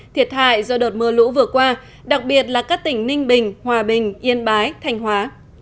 thiệt hại do đợt mưa lũ vừa qua đặc biệt là các tỉnh ninh bình hòa bình yên bái thành hóa